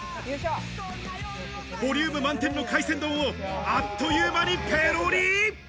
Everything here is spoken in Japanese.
ボリューム満点の海鮮丼をあっという間にペロリ。